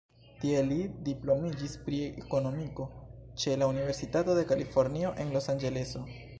Tie li diplomiĝis pri Ekonomiko ĉe la Universitato de Kalifornio en Los-Anĝeleso.